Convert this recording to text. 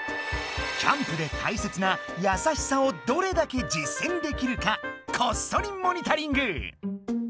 キャンプで大切な「やさしさ」をどれだけじっせんできるかこっそりモニタリング！